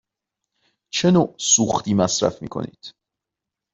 چه نوع سوختی مصرف می کند؟